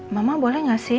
mama boleh gak sih